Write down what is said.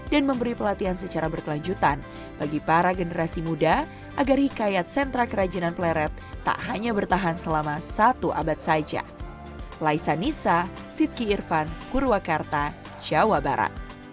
dan memberi pelatihan secara berkelanjutan bagi para generasi muda agar hikayat sentra kerajinan pleret tak hanya bertahan selama satu abad saja